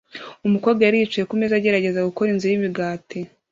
Umukobwa yari yicaye kumeza agerageza gukora inzu yimigati